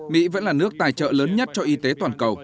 mỹ vẫn là nước tài trợ lớn nhất cho y tế toàn cầu